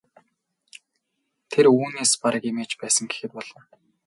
Тэр үүнээс бараг эмээж байсан гэхэд болно.